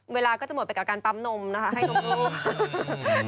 เวลาก็จะหมดไปกับการปั๊มนมนะคะให้นมลูก